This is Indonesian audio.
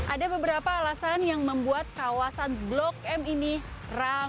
ada beberapa alasan yang membuat kawasan blok m ini rame